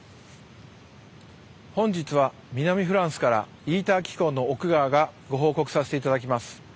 本日は南フランスからイーター機構の奥川がご報告させて頂きます。